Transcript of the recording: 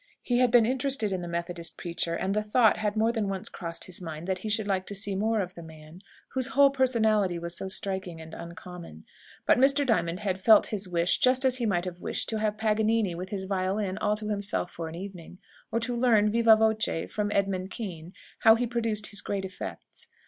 He had been interested in the Methodist preacher, and the thought had more than once crossed his mind that he should like to see more of the man, whose whole personality was so striking and uncommon. But Mr. Diamond had felt his wish just as he might have wished to have Paganini with his violin all to himself for an evening; or to learn vivâ voce from Edmund Kean how he produced his great effects.